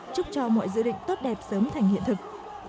chúc cho mọi dự định tốt đẹp sớm thành hiện thực